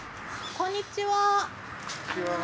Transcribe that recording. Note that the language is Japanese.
こんにちは。